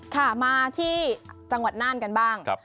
ค่ะมาที่จังหวัดน่านกันบ้าง